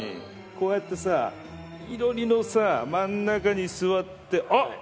こうやってさ囲炉裏のさ真ん中に座って。